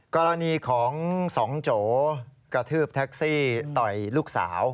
กรณีของสองโจกระทืบแท็กซี่ต่อยลูกสาว